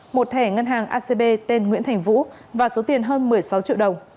một thẻ ngân hàng acb tên nguyễn thành vũ và số tiền hơn một mươi sáu triệu đồng